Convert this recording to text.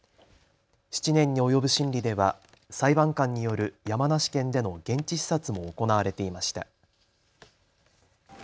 ７年に及ぶ審理では裁判官による山梨県での現地視察も行われていました。